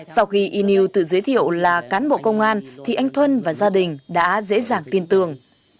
sau khi email tự giới thiệu là cán bộ công an thì anh thuân và gia đình đã dễ dàng tin tưởng